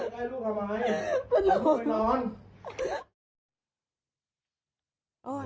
มันโดนลูกอีฟ